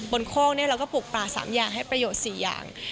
โคกเราก็ปลูกป่า๓อย่างให้ประโยชน์๔อย่าง